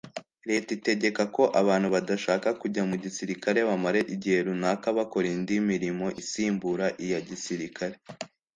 Leta itegeka ko abantu badashaka kujya mu gisirikare bamara igihe runaka bakora indi mirimo isimbura iya gisirikare